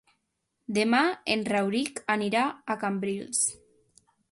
Demà en Rauric anirà a Cambrils.